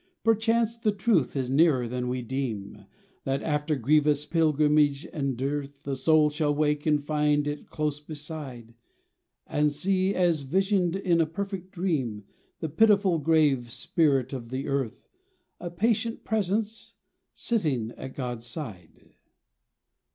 Perchance the truth is nearer than we deem, That after grievous pilgrimage and dearth The soul shall wake and find it close beside ; And see, as visioned in a perfect dream, The pitiful grave spirit of the earth, A patient presence sitting at God's side.